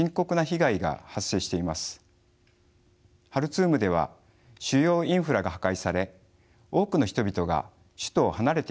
ハルツームでは主要インフラが破壊され多くの人々が首都を離れています。